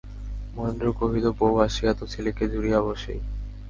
মহেন্দ্র কহিল, বউ আসিয়া তো ছেলেকে জুড়িয়া বসেই।